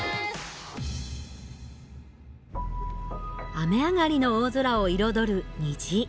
雨上がりの大空を彩る虹。